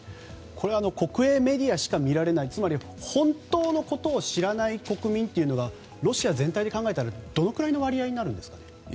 これは国営メディアしか見られないつまり、本当のことを知らない国民というのはロシア全体で考えたらどのぐらいの割合ですか？